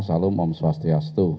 salam salam swastiastu